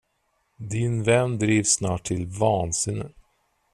Din vän drivs snart till vansinne.